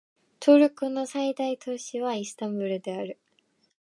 トルコの最大都市はイスタンブールである